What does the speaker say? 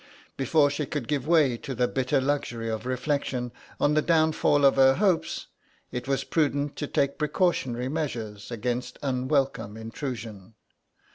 Before she could give way to the bitter luxury of reflection on the downfall of her hopes, it was prudent to take precautionary measures against unwelcome intrusion.